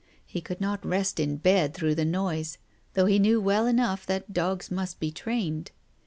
He could not rest in bed through the noise, though he knew well enough that dogs must be trained.